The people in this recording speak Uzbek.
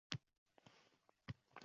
Men o‘zim sehrli ertaklar shahridaman.